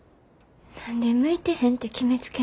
何で向いてへんって決めつけんの？